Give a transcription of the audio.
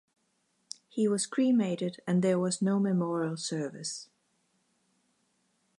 He was cremated, and there was no memorial service.